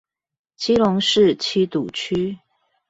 基隆市七堵區